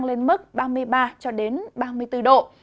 nhiệt độ tăng cao lên mức ba mươi ba ba mươi bốn độ